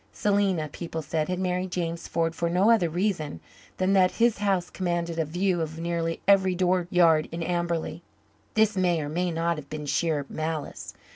Selena, people said, had married James Ford for no other reason than that his house commanded a view of nearly every dooryard in Amberley. This may or may not have been sheer malice.